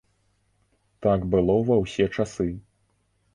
Так было ва ўсе часы.